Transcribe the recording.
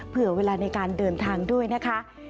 เผื่อเวลาในการเดินทางด้วยนะคะ